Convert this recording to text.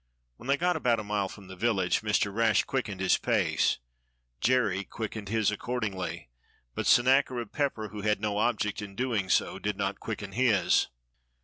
When they got about a mile from the village Mr. Rash quickened his pace; Jerry quickened his accord ingly, but Sennacherib Pepper, who had no object in doing so, did not quicken his.